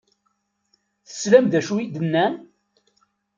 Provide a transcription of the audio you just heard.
Teslam d acu i d-nnan?